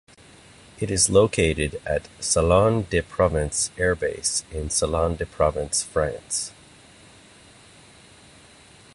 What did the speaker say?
It is located at Salon-de-Provence Air Base in Salon-de-Provence, France.